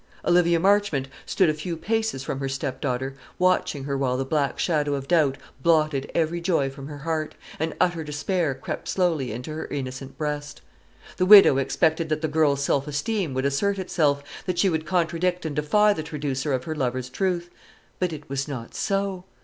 Olivia Marchmont stood a few paces from her stepdaughter, watching her while the black shadow of doubt blotted every joy from her heart, and utter despair crept slowly into her innocent breast. The widow expected that the girl's self esteem would assert itself that she would contradict and defy the traducer of her lover's truth; but it was not so.